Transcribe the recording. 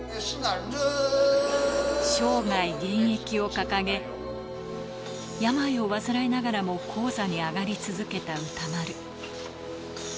生涯現役を掲げ、病を患いながらも高座に上がり続けた歌丸。